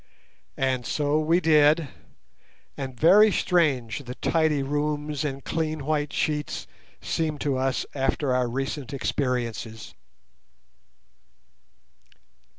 And so we did, and very strange the tidy rooms and clean white sheets seemed to us after our recent experiences.